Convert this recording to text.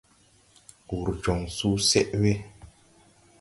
Wùr jɔŋ susɛʼ we.